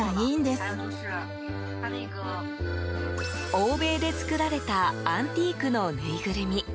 欧米で作られたアンティークのぬいぐるみ。